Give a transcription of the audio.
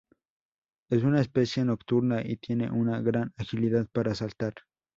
Es una especie nocturna y tiene una gran agilidad para saltar.